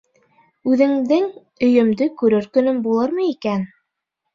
Үҙемдең өйөмдө күрер көнөм булырмы икән?